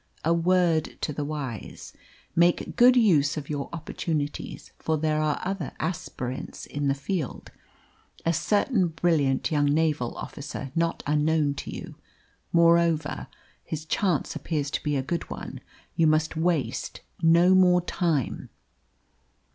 A word to the wise: make good use of your opportunities, for there are other aspirants in the field a certain brilliant young naval officer not unknown to you. Moreover his chance appears to be a good one. You must waste no more time."